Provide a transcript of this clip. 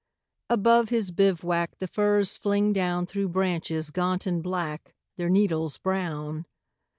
Above his bivouac the firs fling down Through branches gaunt and black, their needles brown.